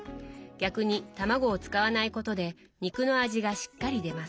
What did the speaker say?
逆に卵を使わないことで肉の味がしっかり出ます」。